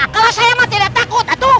kalau saya mah tidak takut atuh